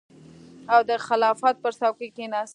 او د خلافت پر څوکۍ کېناست.